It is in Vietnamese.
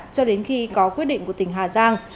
cho đến khi có quyết định của tỉnh hà giang